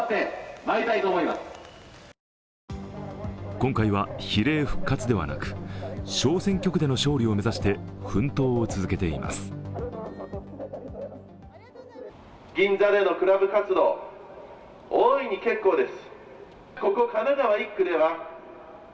今回は比例復活ではなく小選挙区での勝利を目指して奮闘を続けています。